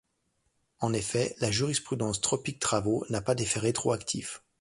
En effet, la jurisprudence Tropic Travaux n'a pas d'effet rétroactif.